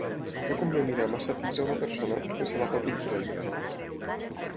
No convé mirar massa fix a una persona, perquè se la pot ullprendre.